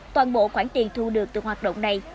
toàn bộ khoản tiền thu được từ hoạt động này